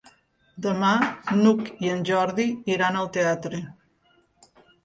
Demà n'Hug i en Jordi iran al teatre.